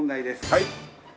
はい。